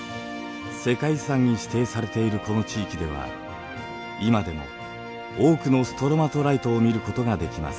世界遺産に指定されているこの地域では今でも多くのストロマトライトを見ることができます。